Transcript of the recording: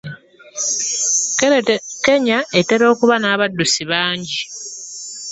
Kenya etera okuba n'abaddusi bangi.